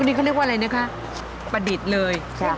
นี่เขาเรียกว่าอะไรนะคะประดิษฐ์เลย